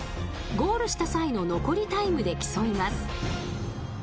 ゴールした際の残りタイムで競います。